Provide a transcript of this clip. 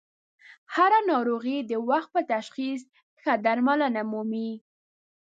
هر ه ناروغي د وخت په تشخیص ښه درملنه مومي.